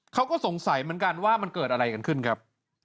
เขาก็สงสัยเหมือนกันว่ามันเกิดอะไรกันขึ้นครับ